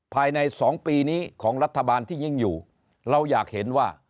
ภายใน๒ปีนี้ของรัฐบาลที่ยิ่งอยู่เราอยากเห็นว่า